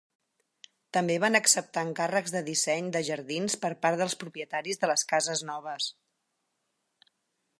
També van acceptar encàrrecs de disseny de jardins per part dels propietaris de les cases noves.